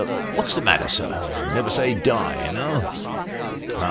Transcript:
What's the matter, sir ? Never say die, you know."